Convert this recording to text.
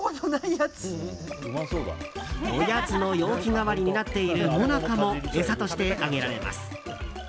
おやつの容器代わりになっているもなかも餌としてあげられます。